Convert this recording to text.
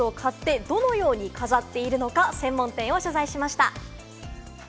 今、皆さんがどんな観葉植物を買ってどのように飾っているのか、専門店を取材しました。